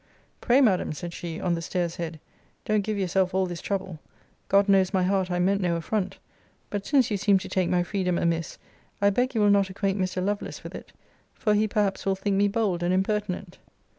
Pray, Madam, said she, on the stairs head, don't give yourself all this trouble. God knows my heart, I meant no affront: but, since you seem to take my freedom amiss, I beg you will not acquaint Mr. Lovelace with it; for he perhaps will think me bold and impertinent.